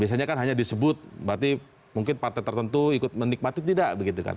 biasanya kan hanya disebut berarti mungkin partai tertentu ikut menikmati tidak begitu kan